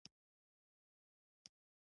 په شپیلۍ کې يې د ستورو سرود پیل کړ